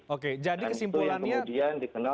oke jadi kesimpulannya